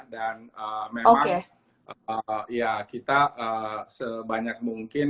dan memang kita sebanyak mungkin